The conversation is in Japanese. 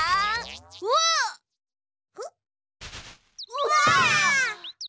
うわ！